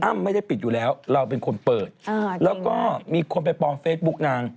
ไม่ได้ปิดอยู่แล้วเราเป็นคนเปิดแล้วก็มีคนไปปลอมเฟซบุ๊กนาง